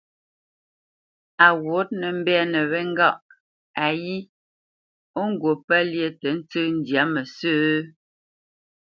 Á ghwûʼnə mbɛ́nə́ wê ŋgâʼ:‹‹ayí ó ghwût pə́ lyé tə ntsə́ ndyâ mə sə̂?